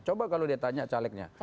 coba kalau dia tanya calegnya